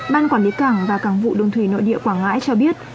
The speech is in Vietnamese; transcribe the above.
ban quản lý cảng và cảng vụ đường thủy nội địa quảng ngãi cho biết